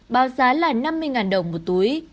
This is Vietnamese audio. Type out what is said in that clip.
bao giá là năm mươi đồng một túi